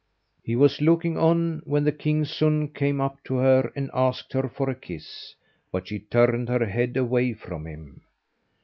He was looking on when the king's son came up to her and asked her for a kiss, but she turned her head away from him.